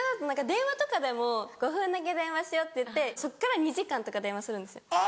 電話とかでも「５分だけ電話しよう」って言ってそっから２時間とか電話するんですよ。